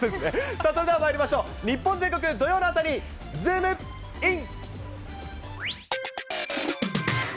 さあ、それではまいりましょう、日本全国、土曜の朝に、ズームイン！！